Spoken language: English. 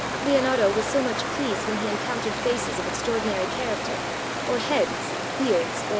Leonardo was so much pleased when he encountered faces of extraordinary character, or heads, beards, or 1 About $228.